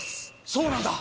そうなんだ！